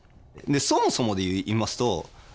そもそもで言いますと僕